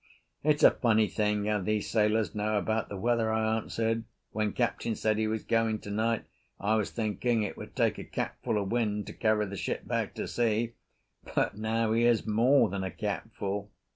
"It's a funny thing how these sailors know about the weather," I answered. "When Captain said he was going tonight, I was thinking it would take a capful of wind to carry the ship back to sea, but now here's more than a capful."